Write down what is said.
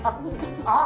あっ！